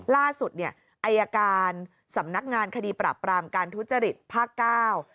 ล่าสุดเนี่ยอายการสำนักงานคดีปราบปรามการทุจริตภาคเก้า